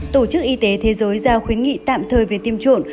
tổ chức y tế thế giới giao khuyến nghị tạm thời về tiêm chủng